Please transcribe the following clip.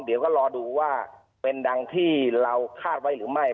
เดี๋ยวก็รอดูว่าเป็นดังที่เราคาดไว้หรือไม่